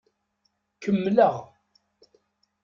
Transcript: Kemmleɣ.